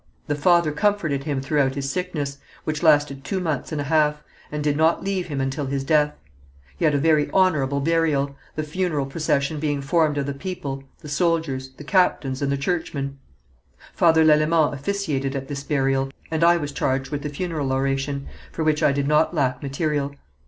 The father comforted him throughout his sickness, which lasted two months and a half, and did not leave him until his death. He had a very honourable burial, the funeral procession being formed of the people, the soldiers, the captains and the churchmen. Father Lalemant officiated at this burial, and I was charged with the funeral oration, for which I did not lack material.